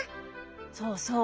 そうそう。